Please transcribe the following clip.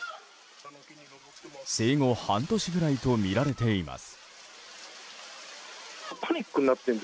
生後半年ぐらいとみられています。